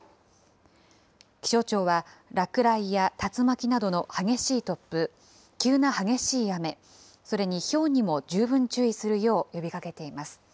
気象庁は、落雷や竜巻などの激しい突風、急な激しい雨、それにひょうにも十分注意するよう呼びかけています。